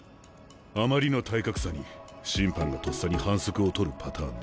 あまりの体格差に審判がとっさに反則を取るパターンだ。